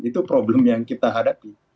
itu problem yang kita hadapi